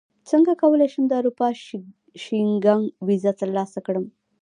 څنګه کولی شم د اروپا شینګن ویزه ترلاسه کړم